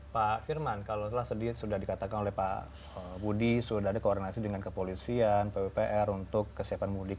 pak firman kalau sudah dikatakan oleh pak budi sudah ada koordinasi dengan kepolisian pwpr untuk kesiapan mudik